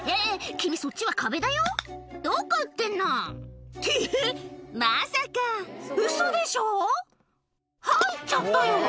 君そっちは壁だよどこ打ってんの？ってえまさかウソでしょ入っちゃったよ！